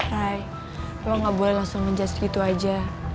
hai lo gak boleh langsung ngejudge gitu aja